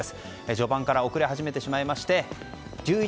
序盤から遅れ始めてしまいまして１１